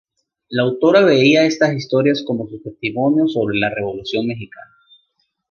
La autora veía estas historias como su testimonio sobre la Revolución mexicana.